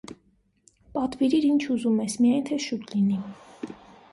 - Պատվիրիր, ինչ ուզում ես, միայն թե շուտ լինի: